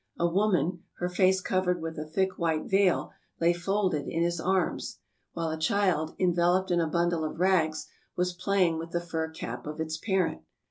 A woman, her face covered with a thick white veil, lay folded in his arms; while a child, enveloped in a bundle of rags, was playing with the fur cap of its parent.